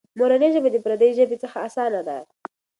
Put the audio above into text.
مورنۍ ژبه د پردۍ ژبې څخه اسانه ده.